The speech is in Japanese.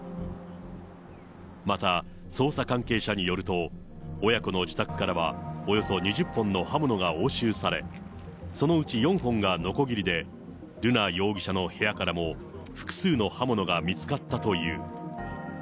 また捜査関係者によると、親子の自宅からはおよそ２０本の刃物が押収され、そのうち４本がのこぎりで、瑠奈容疑者の部屋からも複数の刃物が見つかったという。